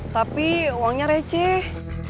tapi uangnya receh